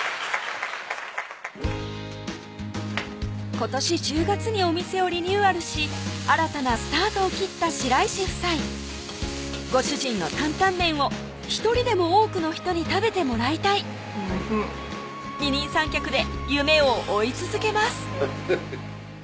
今年１０月にお店をリニューアルし新たなスタートを切った白石夫妻ご主人の担々麺を１人でも多くの人に食べてもらいたいおいしい二人三脚で夢を追い続けます